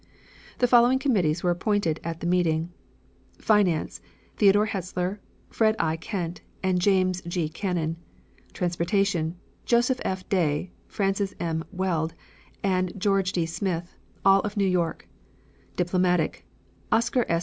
The following committees were appointed at the meeting: Finance Theodore Hetzler, Fred I. Kent and James G. Cannon; Transportation Joseph F. Day, Francis M. Weld and George D. Smith, all of New York; Diplomatic Oscar S.